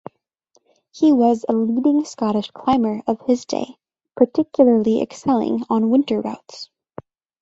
He was a leading Scottish climber of his day, particularly excelling on winter routes.